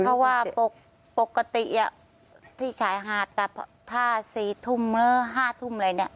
เพราะว่าปกติที่ชายหาดแต่ถ้า๔ทุ่มหรือ๕ทุ่มอะไรเนี่ย